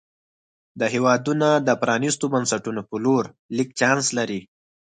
دا هېوادونه د پرانیستو بنسټونو په لور لږ چانس لري.